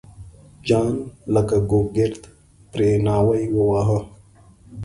جان لکه ګوګرد پرې ناوی وواهه.